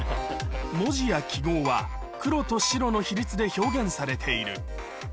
文字や記号は黒と白の比率で表現されている。